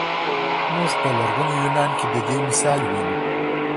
موږ په لرغوني یونان کې د دې مثال وینو.